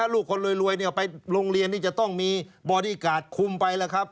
ลูกคนรวยไปโรงเรียนนี่จะต้องมีบอดี้การ์ดคุมไปแล้วครับ